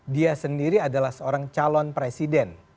dia sendiri adalah seorang calon presiden